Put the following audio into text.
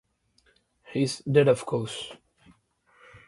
He's dead of course!